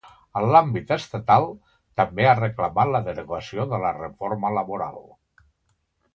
En l'àmbit estatal, també ha reclamat la derogació de la reforma laboral.